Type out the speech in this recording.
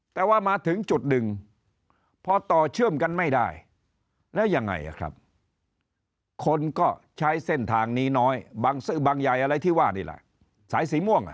แต่ว่ามาถึงจุดหนึ่งพอต่อเชื่อมกันไม่ได้แล้วยังไงครับคนก็ใช้เส้นทางนี้น้อยบางใหญ่อะไรที่ว่านี่แหละสายสีม่วง